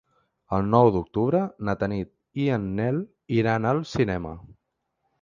El nou d'octubre na Tanit i en Nel iran al cinema.